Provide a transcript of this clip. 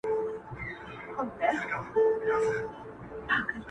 نن مي و لیدی په ښار کي ښایسته زوی د بادار,